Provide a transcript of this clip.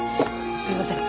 すいません！